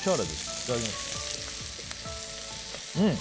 いただきます。